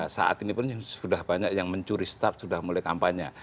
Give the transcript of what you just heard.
saat ini pun sudah banyak yang mencuri start sudah mulai kampanye